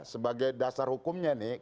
sebagai dasar hukumnya nih